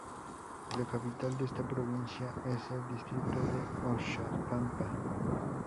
La capital de esta Provincia es el Distrito de Oxapampa.